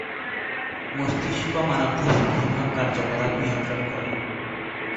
মস্তিষ্ক মানবদেহের সিংহভাগ কার্যকলাপ নিয়ন্ত্রণ করে।